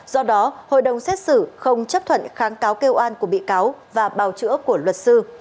do đó hội đồng xét xử không chấp thuận kháng cáo kêu an của bị cáo và bào chữa của luật sư